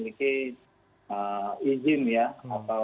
tapi kalau sudah memiliki izin atau sudah memiliki memang kesempatan